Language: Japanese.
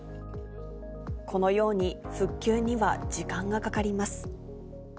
このように、復旧には時間がかかります。